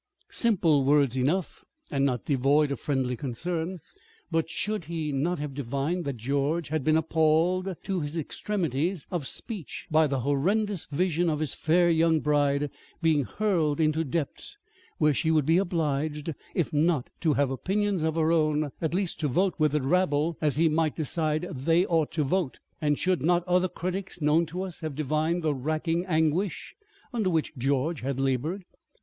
Simple words enough and not devoid of friendly concern. But should he not have divined that George had been appalled to his extremities of speech by the horrendous vision of his fair young bride being hurled into depths where she would be obliged, if not to have opinions of her own, at least to vote with the rabble as he might decide they ought to vote? And should not other critics known to us have divined the racking anguish under which George had labored?